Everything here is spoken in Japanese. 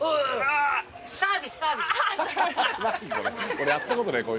これやったことない。